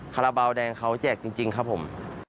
คาราบาลแดงเขาแจกจริงครับผม